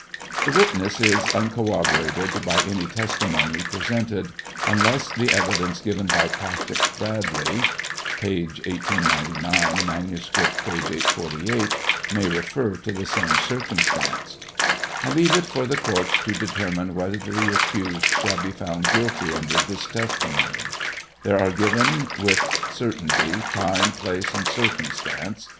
This witness is uncorroborated by any testimony presented, unless the evidenc given by Patrick Bradley (p. 1899; manuscript, p. 848) may refer to the sam circumstance. I leave it for the court to determine whether the accused shall be found guilti under this testimony. There are given, with certainty, time, place, and circun stance.